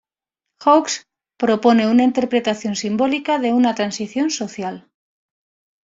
Hawkes propone una interpretación simbólica de una transición social.